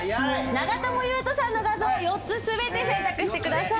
長友佑都さんの画像を４つ全て選択してください。